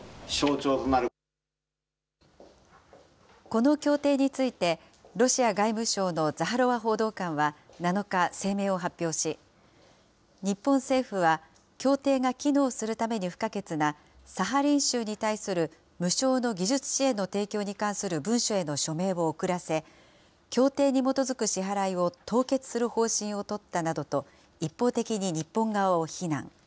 この協定について、ロシア外務省のザハロワ報道官は７日、声明を発表し、日本政府は、協定が機能するために不可欠なサハリン州に対する無償の技術支援の提供に関する文書への署名を遅らせ、協定に基づく支払いを凍結する方針を取ったなどと、一方的に日本側を非難。